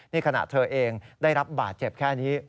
นี่ขณะเธอเองได้รับบาดเจ็บแค่นี้